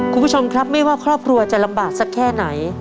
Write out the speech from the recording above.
คุณผู้ชมครับไม่ว่าครอบครัวจะลำบากสักแค่ไหน